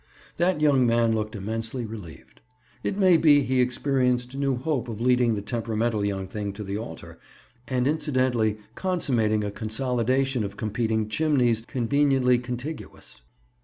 That young man looked immensely relieved. It may be he experienced new hope of leading the temperamental young thing to the altar, and incidentally consummating a consolidation of competing chimneys, conveniently contiguous.